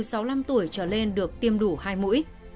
và có một năm tuổi trở lên được tiêm đủ hai mũi